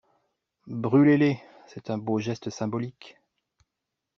Brûlez-les, c'est un beau geste symbolique.